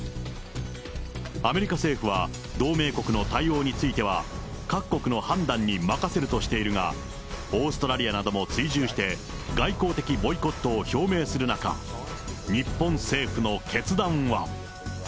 アメリカ政府は、同盟国の対応については、各国の判断に任せるとしているが、オーストラリアなども追従して、外交的ボイコットを表明する中、日本政府の決断は。